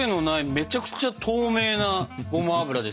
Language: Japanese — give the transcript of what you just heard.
めちゃくちゃ透明なごま油ですね。